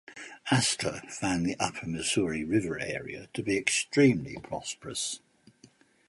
Astor found the upper Missouri river area to be extremely prosperous.